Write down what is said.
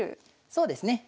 そうですね。